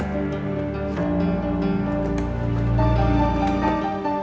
siapa yang kaint itu